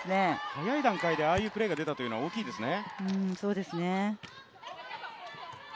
早い段階でああいうプレーが出たのは大きいですね。